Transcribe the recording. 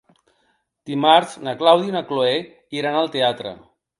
Dimarts na Clàudia i na Cloè iran al teatre.